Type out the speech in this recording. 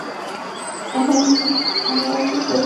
আমরা এখন পুরোপুরি মাটিতে!